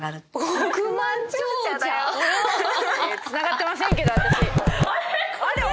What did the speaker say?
つながってませんけど私！